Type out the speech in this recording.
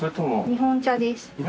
日本茶ですね。